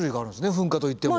噴火といっても。